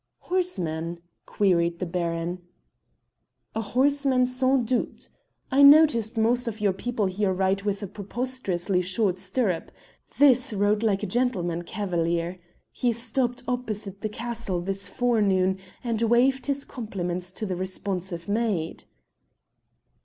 "Horseman?" queried the Baron. "A horseman sans doute. I noticed most of your people here ride with a preposterously short stirrup; this one rode like a gentleman cavalier. He stopped opposite the castle this forenoon and waved his compliments to the responsive maid."